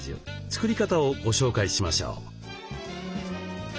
作り方をご紹介しましょう。